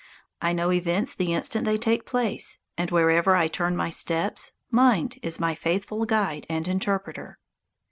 I know events the instant they take place, and wherever I turn my steps, Mind is my faithful guide and interpreter.